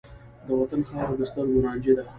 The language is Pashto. د وطن خاوره د سترګو رانجه ده.